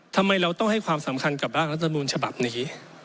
ทำไมเราต้องให้ความสำคัญกับร่างรัฐมนูลฉบับนี้